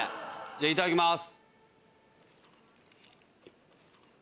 じゃあいただきます。